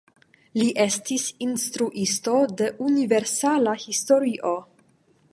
Li estis instruisto de universala historio.